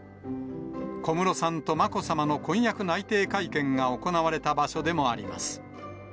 小室さんとまこさまの婚約内定会見が行われた場所でもあります。